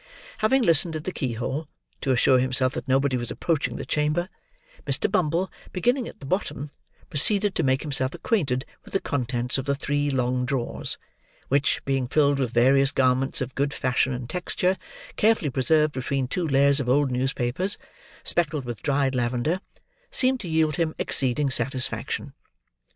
Having listened at the keyhole, to assure himself that nobody was approaching the chamber, Mr. Bumble, beginning at the bottom, proceeded to make himself acquainted with the contents of the three long drawers: which, being filled with various garments of good fashion and texture, carefully preserved between two layers of old newspapers, speckled with dried lavender: seemed to yield him exceeding satisfaction.